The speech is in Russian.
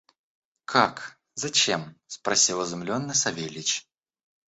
«Как! зачем?» – спросил изумленный Савельич.